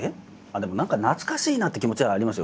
でも何か懐かしいなって気持ちはありますよ